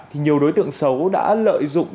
thì nhiều đối tượng xấu đã lợi dụng